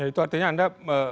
ya itu artinya anda